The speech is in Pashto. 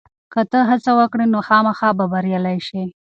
که ته هڅه وکړې، نو خامخا به بریالی شې.